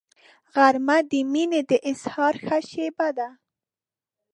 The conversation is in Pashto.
غرمه د مینې د اظهار ښه شیبه ده